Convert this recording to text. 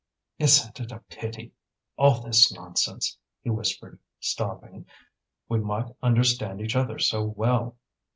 "Isn't it a pity, all this nonsense?" he whispered, stopping. "We might understand each other so well."